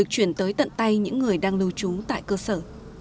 chuyển tới tận tay những người đang lưu trú tại cơ sở